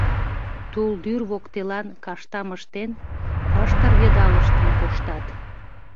Тулдӱр воктелан каштам ыштен, ыштыр-йыдалыштым коштат.